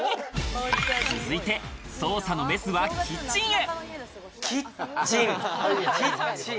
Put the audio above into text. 続いて捜査のメスはキッチンへ。